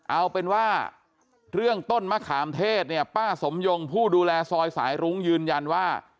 เอาเป็นว่าเรื่องต้นมะขามเทศเนี่ยป้าสมยงผู้ดูแลซอยสายรุ้งยืนยันว่า